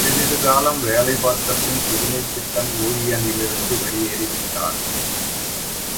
சிறிது காலம் வேலை பார்த்தபின் புதுமைப்பித்தன் ஊழியனிலிருந்து வெளியேறி விட்டார்.